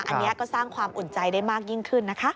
อันนี้ก็สร้างความอุ่นใจได้มากยิ่งขึ้นนะคะ